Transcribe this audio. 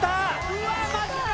うわぁマジか。